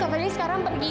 kak fadil sekarang pergi